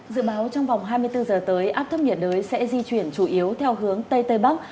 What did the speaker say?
dự báo trong vòng hai mươi bốn giờ tới áp thấp nhiệt đới sẽ di chuyển chủ yếu theo hướng tây tây bắc